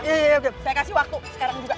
iya saya kasih waktu sekarang juga